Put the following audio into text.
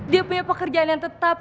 dia punya pekerjaan yang tetap